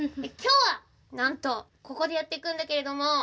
きょうはなんとここでやっていくんだけれども。